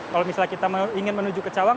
kalau misalnya kita ingin menuju ke cawang